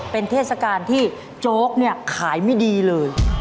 เป็นเทศกาลที่โจ๊กเนี่ยขายไม่ดีเลย